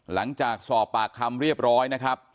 หลังจากสอบปากคำเรียบร้อยนะครับ